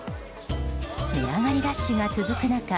値上がりラッシュが続く中